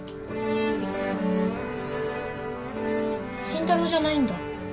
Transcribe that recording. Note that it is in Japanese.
慎太郎じゃないんだ。